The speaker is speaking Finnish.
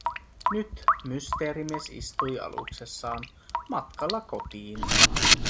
Nyt Mysteerimies istui aluksessaan matkalla kotiin.